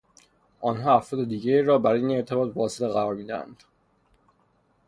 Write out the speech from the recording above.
آنها افراد دیگری را برای این ارتباط واسطه قرار می دهند.